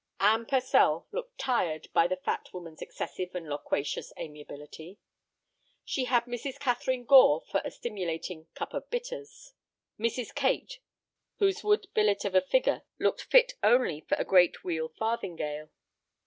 Anne Purcell looked tried by the fat woman's excessive and loquacious amiability. She had Mrs. Catharine Gore for a stimulating "cup of bitters," Mrs. Kate, whose wood billet of a figure looked fit only for a great wheel farthingale.